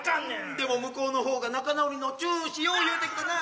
でも向こうの方が「仲直りのチューしよう」言うてきてなぁ。